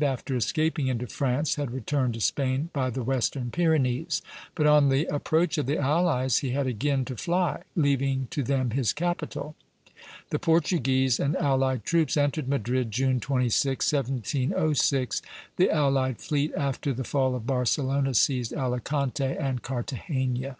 after escaping into France, had returned to Spain by the western Pyrenees; but on the approach of the allies he had again to fly, leaving to them his capital. The Portuguese and allied troops entered Madrid, June 26, 1706. The allied fleet, after the fall of Barcelona, seized Alicante and Cartagena.